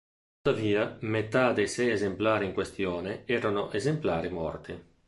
Tuttavia, metà dei sei esemplari in questione erano esemplari morti.